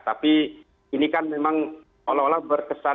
tapi ini kan memang seolah olah berkesan